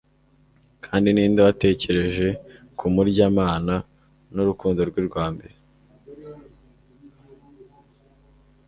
Kandi ninde watekereje kumuryamana nurukundo rwe rwa mbere